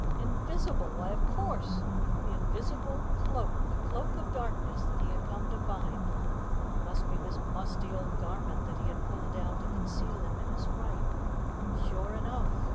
Invisible! Why, of course! The invisible cloak the Cloak of Darkness that he had come to find! It must be this musty old garment that he had pulled down to conceal him in his fright. Sure enough!